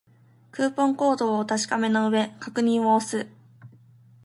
クーポンコードをお確かめの上、確認を押す